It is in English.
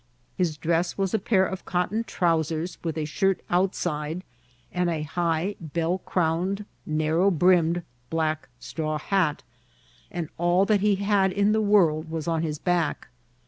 His dress was a pair of cotton trousers, with a shirt outside, and a high, bell crowned, narrow brimmed black straw hat ; and all that he had in the world was on his back.